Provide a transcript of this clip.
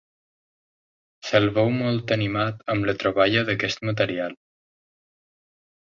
Se'l veu molt animat amb la troballa d'aquest material.